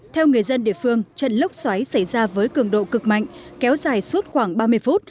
theo người dân địa phương trận lốc xoáy xảy ra với cường độ cực mạnh kéo dài suốt khoảng ba mươi phút